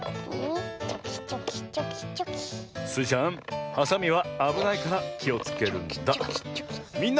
スイちゃんはさみはあぶないからきをつけるんだ。